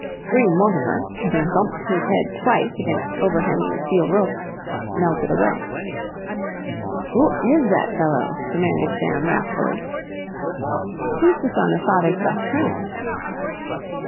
Bream Mortimer, having bumped his head twice against overhanging steel ropes, melted away. "Who is that fellow?" demanded Sam wrathfully. "He's the son of father's best friend."